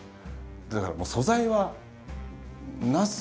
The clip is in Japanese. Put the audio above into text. だからもう素材はなす